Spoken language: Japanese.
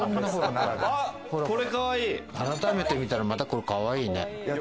改めて見たら、またこれかわいいね。